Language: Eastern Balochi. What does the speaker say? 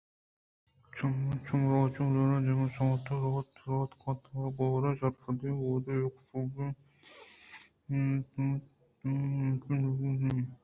چما روچءَ مَلّیر دم پہ ساعت زرءَ بُکّ وارت پہ وتی گاریں سُرٛپاں: وہد یکہ شپ چر وتی زُرتگیں وامانی تُرسءَسجّہیں روچ ٹَپّیتگ (سرٛپیتگ)ءُ شپاں چِنگءُ وَرَگءَ درکیت